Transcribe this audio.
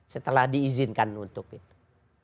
setelah diizinkan untuk itu